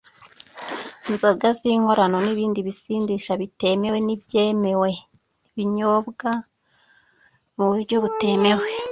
inzoga z’inkorano n’ibindi bisindisha bitemewe n’ibyemewe binyobwa mu buryo butemewe